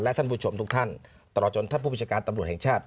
และท่านผู้ชมทุกท่านตลอดจนท่านผู้ประชาการตำรวจแห่งชาติ